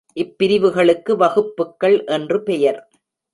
இப்பிரிவுகளுக்கு வகுப்பு க்கள் என்று பெயர்.